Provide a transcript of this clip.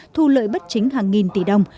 thu lợi bất chính hàng nghìn tỷ đồng